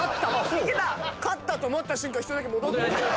勝ったと思った瞬間戻ってって。